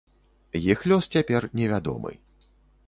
Іх лёс цяпер невядомы.